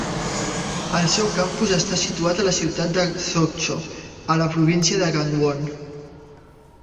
El seu campus està situat a la ciutat de Sokcho, a la província de Gangwon.